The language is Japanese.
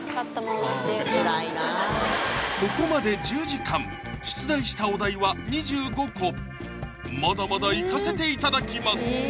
ここまで１０時間出題したお題は２５個まだまだいかせていただきます